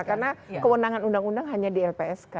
karena kewenangan undang undang hanya di lpsk